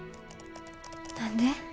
何で？